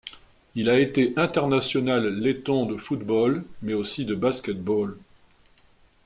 Il a été international letton de football mais aussi de basket-ball.